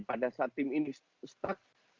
pada saat tim ini stuck